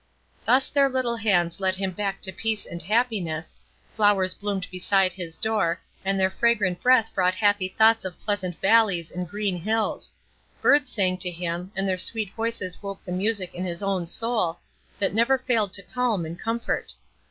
Thus their little hands led him back to peace and happiness, flowers bloomed beside his door, and their fragrant breath brought happy thoughts of pleasant valleys and green hills; birds sang to him, and their sweet voices woke the music in his own soul, that never failed to calm and comfort.